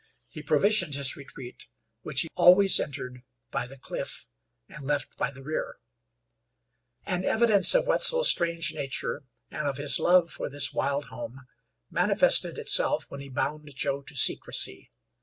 He provisioned his retreat, which he always entered by the cliff and left by the rear. An evidence of Wetzel's strange nature, and of his love for this wild home, manifested itself when he bound Joe to secrecy.